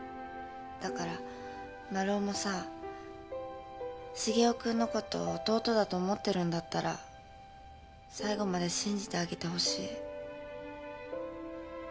だからマルオもさシゲオ君のことを弟だと思ってるんだったら最後まで信じてあげてほしい。